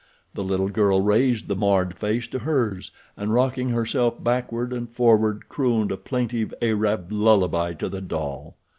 The little girl raised the marred face to hers and rocking herself backward and forward crooned a plaintive Arab lullaby to the doll.